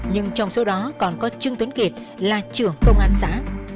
nhưng trong số đó còn có trương tuấn kiệt là trưởng công an xã